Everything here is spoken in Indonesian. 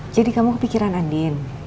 jadi kamu kepikiran andien